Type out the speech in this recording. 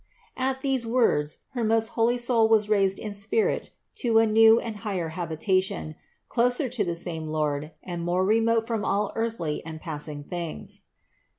At these words her most holy soul was raised in spirit to a new and higher habitation, closer to the same Lord and more remote from all earthly and passing things.